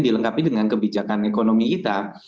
dilengkapi dengan kebijakan ekonomi kita